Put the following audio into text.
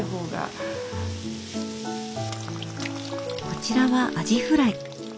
こちらはアジフライ。